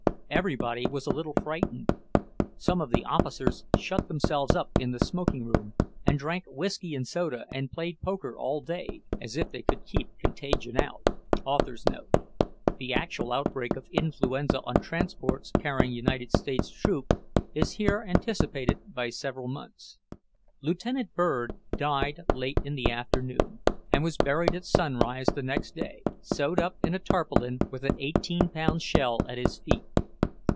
* Everybody was a little frightened. Some of the officers shut themselves up in the smoking room, and drank whiskey and soda and played poker all day, as if they could keep contagion out. * The actual outbreak of influenza on transports carrying United States troops is here anticipated by several months. Lieutenant Bird died late in the afternoon and was buried at sunrise the next day, sewed up in a tarpaulin, with an eighteen pound shell at his feet.